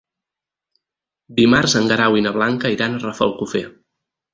Dimarts en Guerau i na Blanca iran a Rafelcofer.